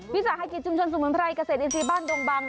วิสาหกิจชุมชนสมุนไพรเกษตรอินทรีย์บ้านดงบัง